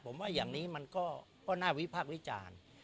ผมว่าอย่างนี้มันก็น่าวิพากษ์วิจารณ์